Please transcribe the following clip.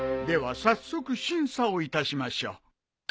では早速審査をいたしましょう。